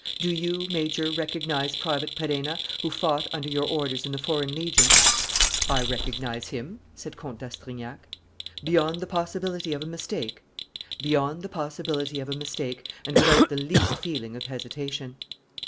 Do you, Major, recognize Private Perenna, who fought under your orders in the Foreign Legion?" "I recognize him," said Comte d'Astrignac. "Beyond the possibility of a mistake?" "Beyond the possibility of a mistake and without the least feeling of hesitation."